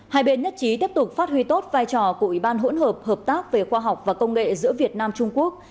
hai bên nhất trí tiếp tục phát huy tốt vai trò của ủy ban hỗn hợp hợp tác về khoa học và công nghệ giữa việt nam trung quốc